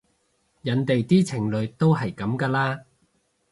人哋啲情侶都係噉㗎啦